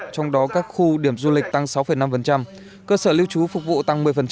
trong đó các khu điểm du lịch tăng sáu năm cơ sở lưu trú phục vụ tăng một mươi